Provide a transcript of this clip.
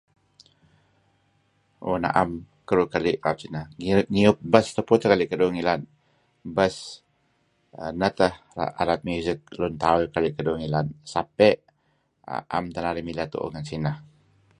Oh naem keduih keli' raut sineh ngiup-ngiyup bas tupu teh kekali' keduih ngilad. Bas neh teh alat music Lun Tauh nuk keli' keduih ngilad, Sapeh aam teh narih mileh tuuh ngen sineh.